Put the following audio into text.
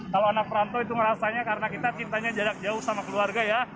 kalau anak perantau itu ngerasanya karena kita cintanya jarak jauh sama keluarga ya